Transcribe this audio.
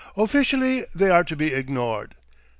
Officially they are to be ignored.